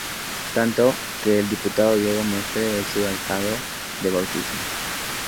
Tanto, que el diputado Diego Mestre es su ahijado de bautismo.